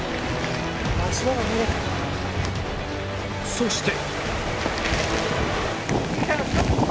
そして